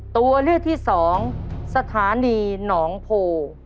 ตัวเลือกที่สองสถานีหนองโพ